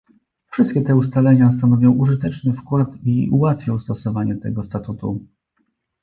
Wszystkie te ustalenia stanowią użyteczny wkład i ułatwią stosowanie tego statutu